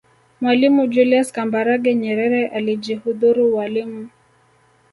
mwalimu julius kambarage nyerere alijihudhuru ualimu